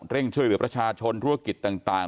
เร่งเชื่อเหลือประชาชนธุรกิจต่าง